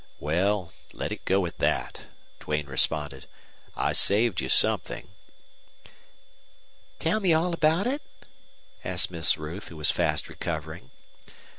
"Well, let it go at that," Duane responded. "I saved you something." "Tell me all about it?" asked Miss Ruth, who was fast recovering.